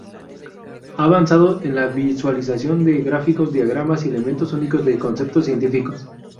Ha avanzado en la visualización de gráficos, diagramas y elementos únicos de conceptos científicos.